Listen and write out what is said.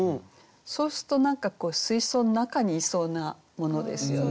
そうすると何か水槽の中にいそうなものですよね。